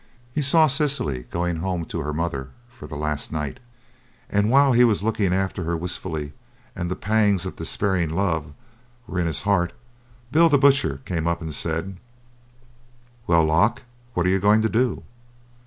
He saw Cecily going home to her mother for the last night, and while he was looking after her wistfully, and the pangs of despairing love were in his heart, Bill the Butcher came up and said: "Well, Lock, what are you going to do?"